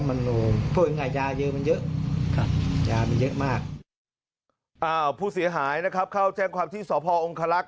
ผู้เสียหายนะครับเข้าแจ้งความที่สพองคลักษ